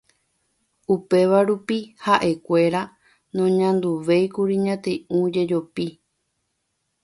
Upéva rupi ha'ekuéra noñanduvéikuri ñati'ũ jejopi